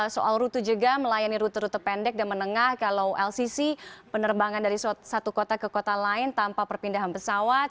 soal rute juga melayani rute rute pendek dan menengah kalau lcc penerbangan dari satu kota ke kota lain tanpa perpindahan pesawat